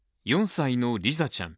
４歳のリザちゃん。